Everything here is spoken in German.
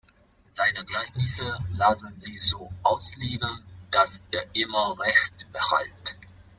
Seine Gleichnisse lassen sich so auslegen, dass er immer Recht behält.